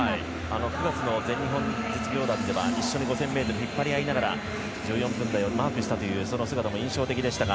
９月の全日本実業団では一緒に５０００ｍで引っ張り合いながら１４分台をマークしたというその姿も印象的でしたが。